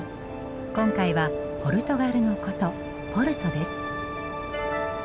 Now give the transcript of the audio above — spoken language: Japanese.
今回はポルトガルの古都ポルトです。